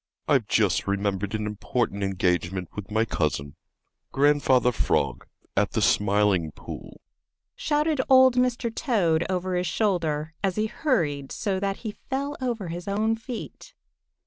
"I've just remembered an important engagement with my cousin, Grandfather Frog, at the Smiling Pool," shouted old Mr. Toad over his shoulder, as he hurried so that he fell over his own feet.